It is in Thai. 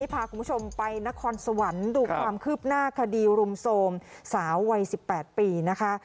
พาคุณผู้ชมไปนครสวรรค์ดูความคืบหน้าคดีรุมโทรมสาววัย๑๘ปีนะคะ